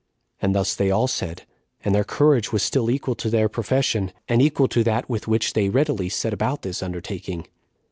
And thus they all said, and their courage was still equal to their profession, and equal to that with which they readily set about this undertaking.